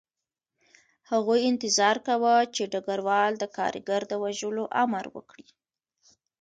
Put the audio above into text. هغوی انتظار کاوه چې ډګروال د کارګر د وژلو امر وکړي